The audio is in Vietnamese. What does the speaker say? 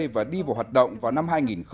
và đi vào hoạt động vào năm hai nghìn hai mươi